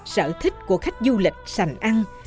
sở thích của khách du lịch sành ăn